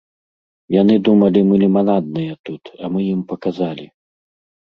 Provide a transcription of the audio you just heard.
Яны думалі, мы ліманадныя тут, а мы ім паказалі!